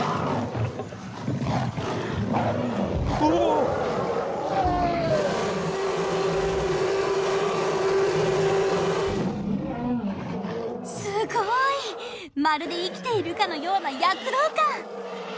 おおっすごい！まるで生きているかのような躍動感